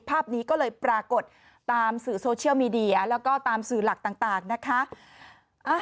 ภาพนี้ก็เลยปรากฏตามสื่อโซเชียลมีเดียแล้วก็ตามสื่อหลักต่างนะคะ